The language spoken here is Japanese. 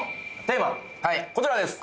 テーマこちらです